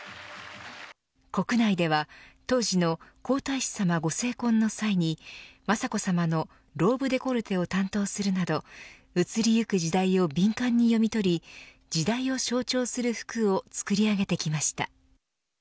国内では当時の皇太子さまご成婚の際に雅子さまのローブ・デコルテを担当するなど移りゆく時代を敏感に読み取り時代を象徴する服を作り上げてきました。